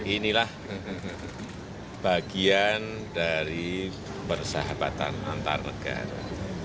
inilah bagian dari persahabatan antar negara